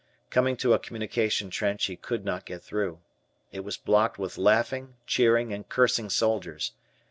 Coming to a communication trench he could not get through. It was blocked with laughing, cheering, and cursing soldiers.